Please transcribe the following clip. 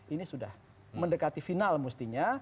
ini sudah mendekati final mestinya